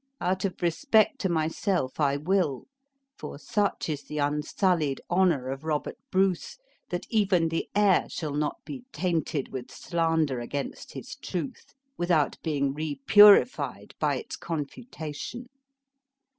"Out of respect to myself I will, for such is the unsullied honor of Robert Bruce, that even the air shall not be tainted with slander against his truth, without being repurified by its confutation.